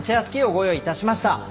スキーをご用意いたしました。